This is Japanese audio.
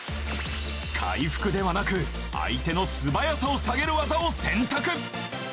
回復ではなく相手のすばやさを下げるわざを選択